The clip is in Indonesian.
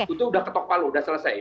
itu sudah ketok palu sudah selesai